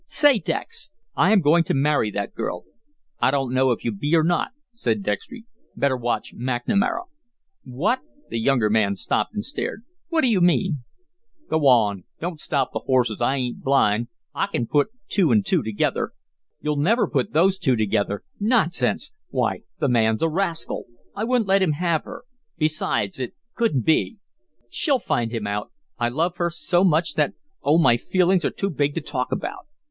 "Say, Dex, I am going to marry that girl." "I dunno if you be or not," said Dextry. "Better watch McNamara." "What!" The younger man stopped and stared. "What do you mean?" "Go on. Don't stop the horses. I ain't blind. I kin put two an' two together." "You'll never put those two together. Nonsense! Why, the man's a rascal. I wouldn't let him have her. Besides, it couldn't be. She'll find him out. I love her so much that oh, my feelings are too big to talk about."